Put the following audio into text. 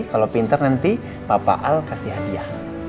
kalau pinter nanti bapak al kasih hadiah